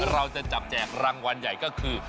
เราจะจับแจกรางวัลใหญ่ก็คือ